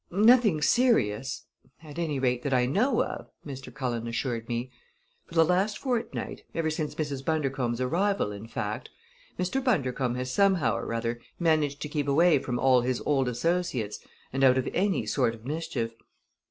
"Nothing serious at any rate, that I know of," Mr. Cullen assured me. "For the last fortnight ever since Mrs. Bundercombe's arrival, in fact Mr. Bundercombe has somehow or other managed to keep away from all his old associates and out of any sort of mischief.